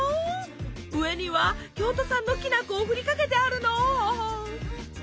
上には京都産のきな粉をふりかけてあるの。